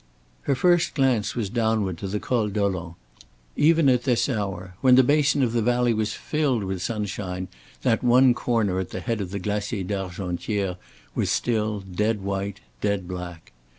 Her first glance was downward to the Col Dolent. Even at this hour when the basin of the valley was filled with sunshine that one corner at the head of the Glacier d'Argentière was still dead white, dead black.